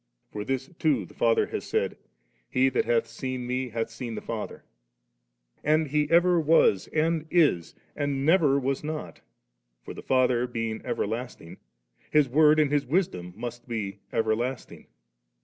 For this too the Lord has said, 'He that hath seen Me, hath seen Uie Father 3.' And He ever was and is, and never was not For the Father being ever lasting. His Word and His Wisdom must be everlasting!